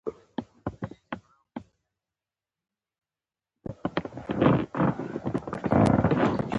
نړیوالې ټولنې انګېرلې وه چې افریقا به اقتصادي وده تجربه کړي.